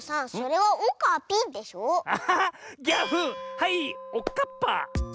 はいおっかっぱ！